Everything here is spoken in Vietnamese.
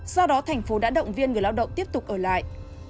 do đó tp hcm đã động viên người lao động tiếp tục ở lại